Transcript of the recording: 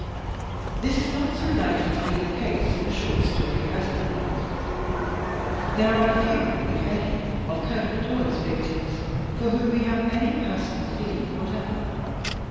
Tins is not so likely to be the case in a short story as in a novel. There are few, if any, of Conan Doyle's victims for whom we have any personal feeling whatever.